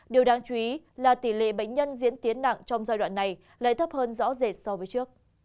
điều đáng chú ý là tỷ lệ bệnh nhân diễn tiến nặng trong giai đoạn này lại thấp hơn rõ rệt so với trước